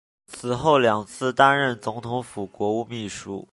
此后两次担任总统府国务秘书。